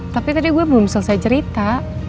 tapi tadi gue belum selesai cerita